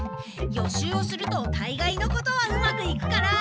予習をするとたいがいのことはうまくいくから。